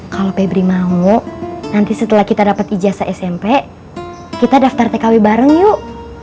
kalau pebri mau nanti setelah kita dapat ijazah smp kita daftar tkw bareng yuk